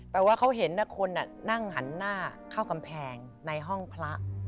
ว่าเขาเห็นคนนั่งหันหน้าเข้ากำแพงในห้องพระ